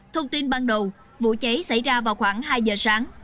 thông tin ban đầu vụ cháy xảy ra vào khoảng hai giờ sáng